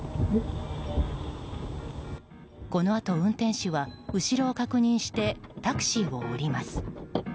このあと運転手は後ろを確認してタクシーを降ります。